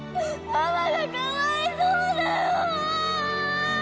ママがかわいそうだよ。